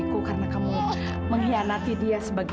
aku tahu kalau dia penuh memperkuasa sekretarisnya sendiri